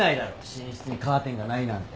寝室にカーテンがないなんて。